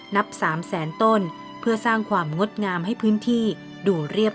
นับ๓แสนต้นเพื่อสร้างความงดงามให้พื้นที่ดูเรียบ